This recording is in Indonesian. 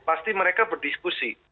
pasti mereka berdiskusi